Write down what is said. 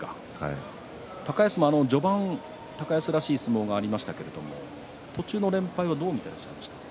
高安も序盤高安らしい相撲がありましたけど途中の連敗はどう見ていらっしゃいましたか？